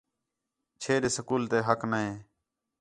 چھے ݙے سکول تے حق نی